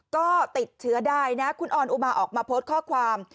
ก็ติดเชื้อได้นะคุณออนอุมาออกมาโพสต์ข้อความ